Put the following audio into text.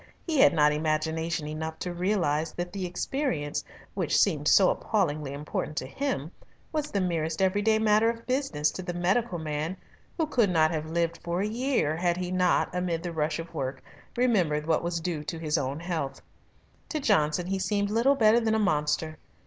He had not imagination enough to realise that the experience which seemed so appallingly important to him, was the merest everyday matter of business to the medical man who could not have lived for a year had he not, amid the rush of work, remembered what was due to his own health. To Johnson he seemed little better than a monster.